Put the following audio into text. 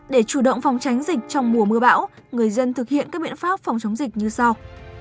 để chủ động phòng tránh dịch trong mùa mưa bão người dân thực hiện các biện pháp phòng chống dịch như sau